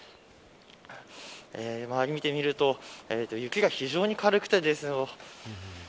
周りを見てみると雪が非常に軽くてですね